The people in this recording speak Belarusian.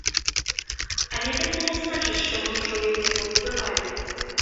Але гэта не значыць, што мы ўжо яе пабудавалі.